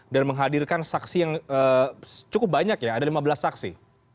dan menghadirkan saksi yang cukup banyak ya ada lima belas saksi